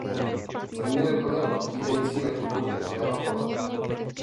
Mlýn je doplněn odpovídající replikou větrného kola.